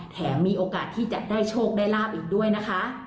มีโอกาสที่จะได้โชคได้ลาบอีกด้วยนะคะ